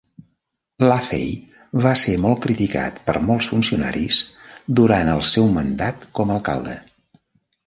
Laffey va ser molt criticat per molts funcionaris durant els seu mandat com a alcalde.